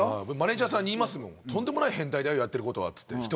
俺、マネジャーさんに言いますもんとんでもない変態だよやってることはって。